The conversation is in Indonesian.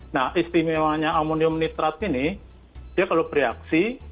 nah istimewanya amonium nitrat ini dia kalau bereaksi